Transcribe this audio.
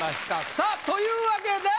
さぁというわけで。